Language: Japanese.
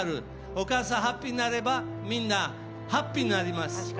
お母さんがハッピーになればみんなハッピーになります。